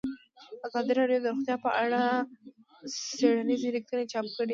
ازادي راډیو د روغتیا په اړه څېړنیزې لیکنې چاپ کړي.